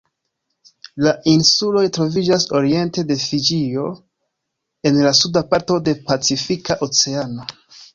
La insuloj troviĝas oriente de Fiĝio en la suda parto de Pacifika Oceano.